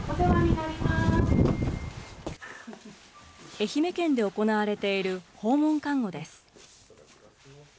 愛媛県で行われている訪問看護です。